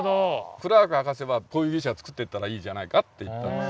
クラーク博士はこういう牛舎を作っていったらいいじゃないかって言ったんです。